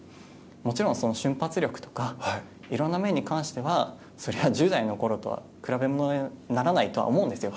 もちろん、瞬発力とかいろんな面に関してはそりゃ１０代のころとは比べ物にならないと思うんですよ。